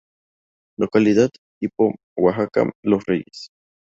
Localidad tipo: Oaxaca: Los Reyes.